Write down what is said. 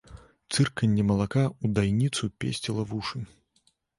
Цырканне малака ў дайніцу песціла вушы.